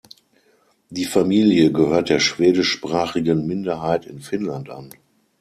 Die Familie gehört der schwedischsprachigen Minderheit in Finnland an.